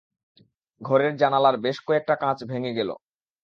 ঘরের জানালার বেশ কয়েকটা কাঁচ ভেঙে গেল।